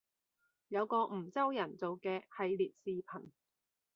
有個梧州人做嘅系列視頻